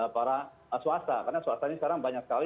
para swasta karena swasta ini sekarang banyak sekali